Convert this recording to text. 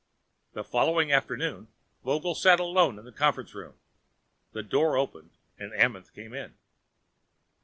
The following afternoon, Vogel sat alone in the conference room. The door opened and Amenth came in.